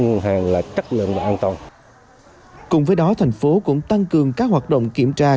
nguồn hàng là chất lượng và an toàn cùng với đó thành phố cũng tăng cường các hoạt động kiểm tra